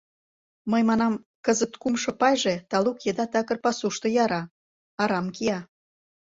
Мый манам: кызыт кумшо пайже талук еда такыр пасушто яра, арам кия.